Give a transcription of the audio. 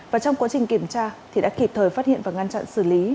và trong quá trình kiểm tra thì đã kịp thời phát hiện và ngăn chặn xử lý